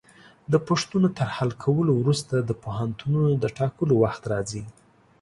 د پوښتنو تر حل کولو وروسته د پوهنتونونو د ټاکلو وخت راځي.